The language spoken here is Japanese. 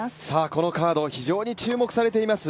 このカード非常に注目されています